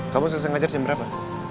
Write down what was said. kamu selesai ngajar jam berapa